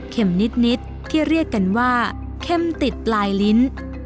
นิดที่เรียกกันว่าเข้มติดปลายลิ้น